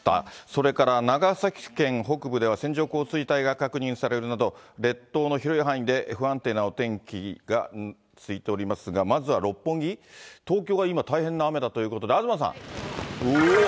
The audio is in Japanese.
それから長崎県北部では、線状降水帯が確認されるなど、列島の広い範囲で不安定なお天気が続いておりますが、まずは六本木、東京が今、大変な雨だということで、東さん。